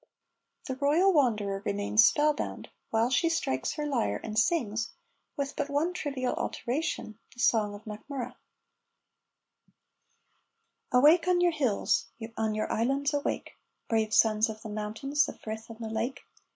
The royal wanderer remains spellbound, while she strikes her lyre and sings (with but one trivial alteration) the song of MacMurrough: Awake on your hills, on your islands awake, Brave sons of the mountains, the frith and the lake!